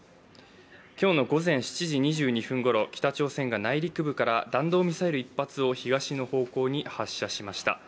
今日の午前７時２２分ごろ、北朝鮮が内陸部から弾道ミサイル１発を東の方向に発射しました。